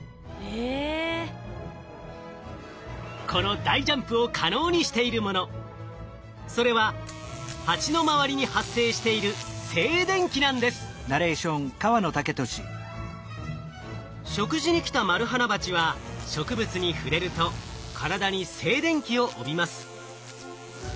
この大ジャンプを可能にしているものそれはハチの周りに発生している食事に来たマルハナバチは植物に触れると体に静電気を帯びます。